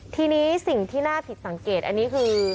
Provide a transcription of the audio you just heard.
ทีนี้สิ่งที่น่าผิดสังเกตอันนี้คือ